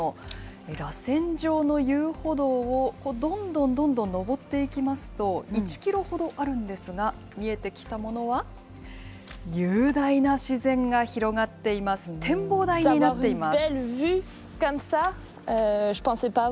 らせん状の遊歩道をどんどんどんどん上っていきますと、１キロほどあるんですが、見えてきたものは、雄大な自然が広がっています、展望台になっています。